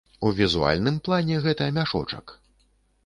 У візуальным плане гэта мяшочак.